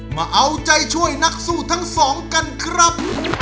มาเอาใจช่วยนักสู้ทั้งสองกันครับ